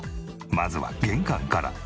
まずは玄関から。